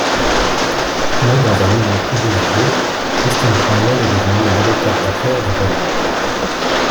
Née dans un milieu privilégié, Christine Cromwell est devenue une avocate d'affaires de renom.